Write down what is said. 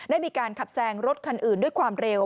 ได้มีการขับแซงรถคันอื่นด้วยความเร็ว